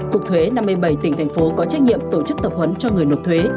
cục thuế năm mươi bảy tỉnh thành phố có trách nhiệm tổ chức tập huấn cho người nộp thuế